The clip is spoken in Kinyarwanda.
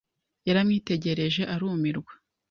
Yaramwitegereje arumirwa.